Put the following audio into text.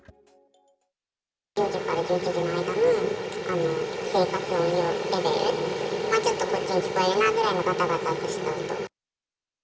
１０時から１１時の間に、生活音レベル、ちょっとこっちに聞こえるなぐらいの、がたがたとした音。